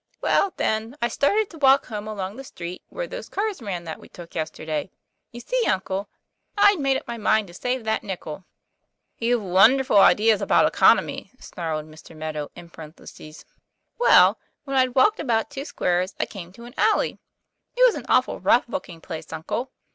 Well, then, I started to walk home along the street where those cars ran that we took yesterday. You see, uncle, I'd made up my mind to save that nickel." 'You've wonderful ideas of economy," snarled Mr. Meadow, in parentheses. 4 Well, when I'd walked about two squares I came to an alley. It was an awful rough looking place, uncle.